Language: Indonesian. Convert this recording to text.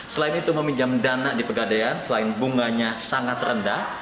selain itu meminjam dana di pegadaian selain bunganya sangat rendah